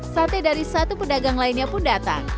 sate dari satu pedagang lainnya pun datang